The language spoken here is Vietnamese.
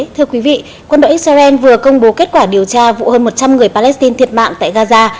thưa quý vị quân đội israel vừa công bố kết quả điều tra vụ hơn một trăm linh người palestine thiệt mạng tại gaza